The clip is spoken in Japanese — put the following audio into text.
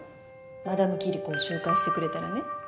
マダムキリコを紹介してくれたらね